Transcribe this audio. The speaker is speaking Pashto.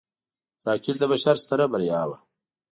راکټ د بشر ستره بریا وه